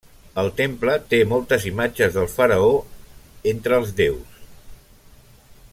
El temple té moltes imatges del faraó entre els déus.